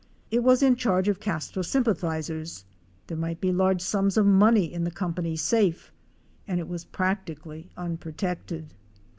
It was in charge of Castro sympathizers, there might be large sums of money in the Company's safe and it was practically unprotected.